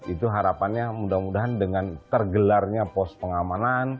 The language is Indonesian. itu harapannya mudah mudahan dengan tergelarnya pos pengamanan